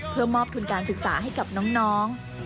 เพื่อมอบทุนการศึกษาให้กับน้อง